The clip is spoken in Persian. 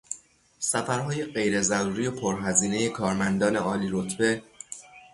سفرهای غیرضروری و پرهزینهی کارمندان عالیرتبه